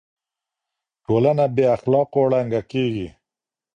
ټولنه بې اخلاقو ړنګه کيږي.